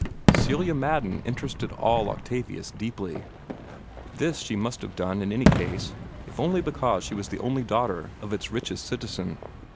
Celia Madden interested all Octavius deeply. This she must have done in any case, if only because she was the only daughter of its richest citizen.